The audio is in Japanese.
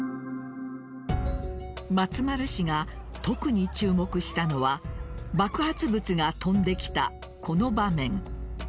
松丸氏が特に注目したのは爆発物が飛んできた、この場面。